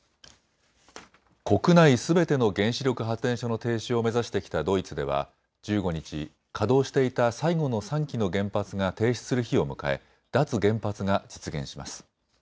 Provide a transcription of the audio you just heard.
国内すべての原子力発電所の停止を目指してきたドイツでは１５日、稼働していた最後の３基の原発が停止する日を迎え、脱原発が実現します。